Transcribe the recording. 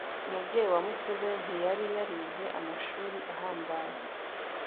Umubyeyi wa Museveni ntiyari yarize amashuri ahambaye